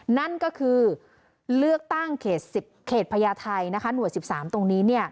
นั่นก็คือเลือกตั้งเขตพญาไทยหน่วย๑๓ตรงนี้